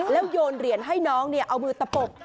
แล้วโยนเหรียญให้น้องเอามือตะปบ